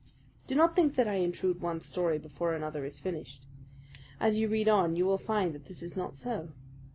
Do not think that I intrude one story before another is finished. As you read on you will find that this is not so.